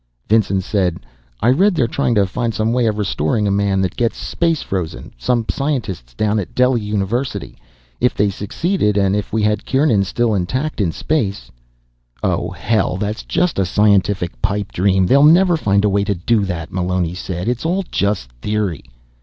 Vinson said, "I read they're trying to find some way of restoring a man that gets space frozen. Some scientists down at Delhi University. If they succeeded, and if we had Kieran still intact in space " "Oh, hell, that's just a scientific pipe dream, they'll never find a way to do that," Meloni said. "It's all just theory."